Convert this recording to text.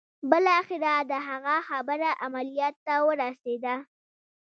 بالاخره د هغه خبره عمليات ته ورسېده.